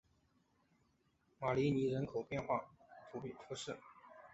马里尼人口变化图示